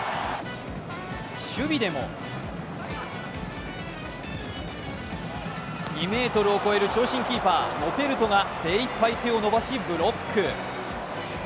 守備でも、２ｍを超える長身キーパー・ノペルトが精いっぱい手を伸ばしブロック。